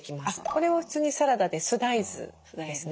これも普通にサラダで酢大豆ですね。